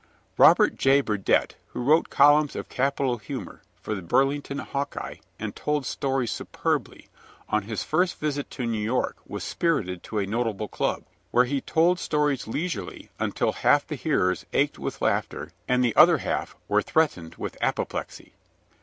Robert J. Burdette, who wrote columns of capital humor for The Burlington Hawkeye and told stories superbly, on his first visit to New York was spirited to a notable club, where he told stories leisurely until half the hearers ached with laughter, and the other half were threatened with apoplexy.